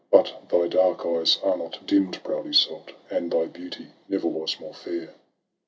But thy dark eyes are not dimm'd, proud Iseult ! And thy beauty never was more fair.